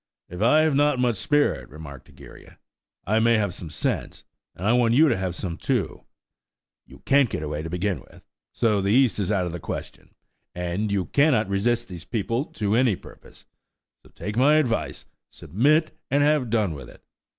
"If I have not much spirit," remarked Egeria, "I may have some sense, and I want you to have some too. You can't get away, to begin with–so the East is out of the question; and you cannot resist these people to any purpose–so, take my advice, submit and have done with it.